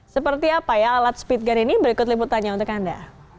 seperti apa ya alat speed gun ini berikut liputannya untuk anda